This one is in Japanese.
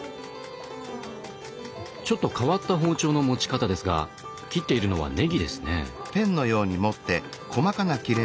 ちょっと変わった包丁の持ち方ですが切っているのはねぎですね。